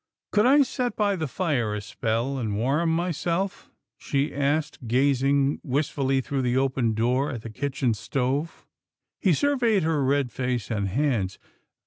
" Could I set by the fire a spell, and warm my self ?" she asked, gazing wistfully through the open door at the kitchen stove. He surveyed her red face and hands.